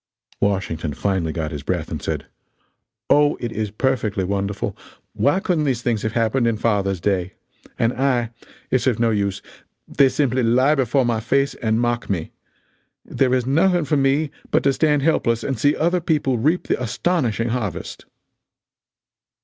Washington finally got his breath and said: "Oh, it is perfectly wonderful! Why couldn't these things have happened in father's day? And I it's of no use they simply lie before my face and mock me. There is nothing for me but to stand helpless and see other people reap the astonishing harvest."